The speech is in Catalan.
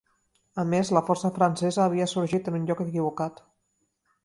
A més, la força francesa havia sorgit en un lloc equivocat.